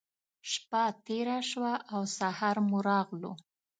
شپّه تېره شوه او سهار مو راغلو.